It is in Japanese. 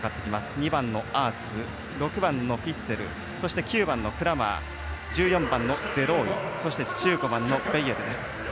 ２番のアーツ、６番のフィッセルそして９番のクラーマー１４番のデローイそして１５番のベイエルです。